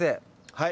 はい。